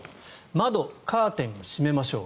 窓、カーテンを閉めましょう。